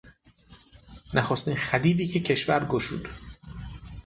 نخستین خدیوی که کشور گشود...